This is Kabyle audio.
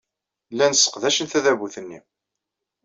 Llan sseqdacen tadabut-nni.